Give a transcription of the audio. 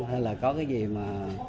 hay là có cái gì mà